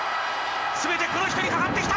全てこの人にかかってきた！